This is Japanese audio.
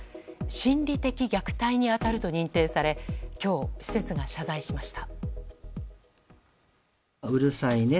心理的虐待に当たると認定され今日、施設が謝罪しました。